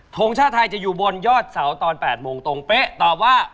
ทงชาติไทยจะอยู่บนยอดเสาตอน๘โมงตรงเป๊ะตอบว่า